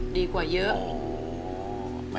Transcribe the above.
ดีกว่าเยอะ